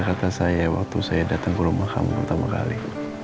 kata saya waktu saya datang ke rumah kamu pertama kali